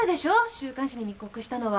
週刊誌に密告したのは。